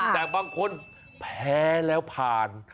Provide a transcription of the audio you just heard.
แต่บางคนแพ้แล้วผ่าน